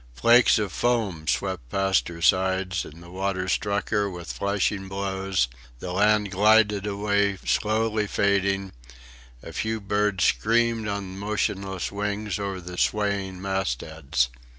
Flakes of foam swept past her sides; the water struck her with flashing blows; the land glided away slowly fading; a few birds screamed on motionless wings over the swaying mastheads.